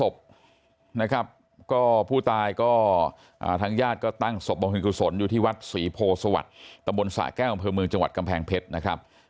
พอผู้ตายก็ทั้งญาติก็ตั้งศพบังคิดกุศลอยู่ที่วัดศรีโพสวรรคตะบนสระแก้วอำเภอเมืองจังหวัดกำแพงเพชรนะครับ